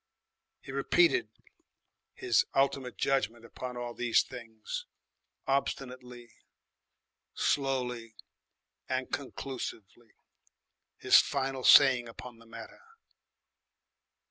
He repeated his ultimate judgment upon all these things, obstinately, slowly, and conclusively, his final saying upon the matter.